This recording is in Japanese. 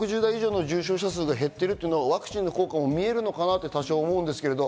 その中で６０代以上の重症者数が減っているというのはワクチンの効果も見えるかなと多少思うんですけど。